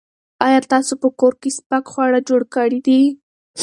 ایا تاسو په کور کې سپک خواړه جوړ کړي دي؟